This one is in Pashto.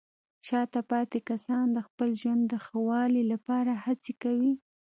شاته پاتې کسان د خپل ژوند د ښه والي لپاره هڅې کوي.